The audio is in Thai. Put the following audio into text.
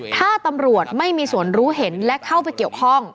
ถ้าตำรวจไม่มีส่วนรู้เห็นและเข้าไปเกี่ยวข้อง